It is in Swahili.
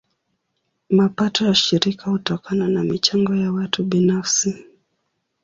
Mapato ya shirika hutokana na michango ya watu binafsi.